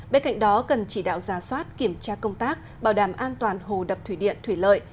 bên cạnh đó cần chỉ đạo ra soát kiểm tra công tác bảo đảm an toàn hồ đập thủy điện thủy lợi